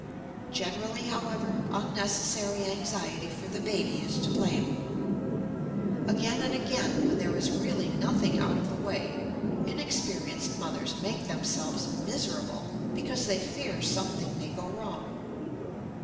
Generally, however, unnecessary anxiety for the baby is to blame. Again and again, when there is really nothing out of the way, inexperienced mothers make themselves miserable because they fear something may go wrong.